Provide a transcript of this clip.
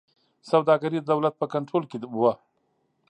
سوداګري د دولت په کنټرول کې وه.